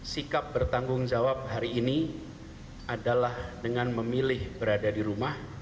sikap bertanggung jawab hari ini adalah dengan memilih berada di rumah